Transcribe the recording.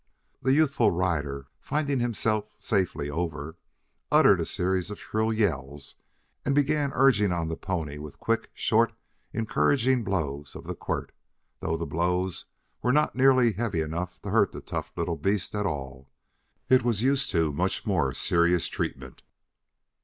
The youthful rider, finding himself safely over, uttered a series of shrill yells and began urging on the pony with quick, short encouraging blows of the quirt, though the blows were not heavy enough to hurt the tough little beast at all. It was used to much more serious treatment.